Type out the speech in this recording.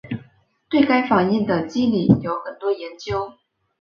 对该反应的机理有很多研究。